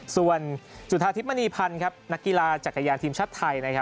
ส่วนจุธาทิพย์มณีพันธ์นักกีฬาจักรยานทีมชาติไทย